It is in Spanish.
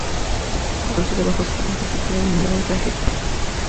Todo es autoproducido bajo su pequeña productora de nombre Odisea Records.